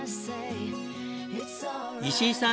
石井さん